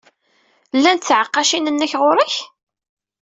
Llant tɛeqqacin-nnek ɣer-k?